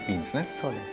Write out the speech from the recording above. そうです。